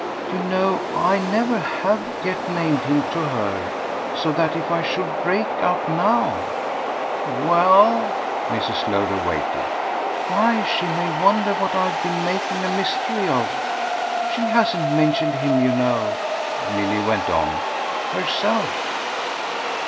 "You know I never HAVE yet named him to her; so that if I should break out now " "Well?" Mrs. Lowder waited. "Why she may wonder what I've been making a mystery of. She hasn't mentioned him, you know," Milly went on, "herself."